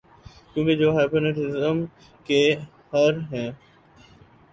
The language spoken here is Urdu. کیونکہ جو ہپناٹزم کے ہر ہیں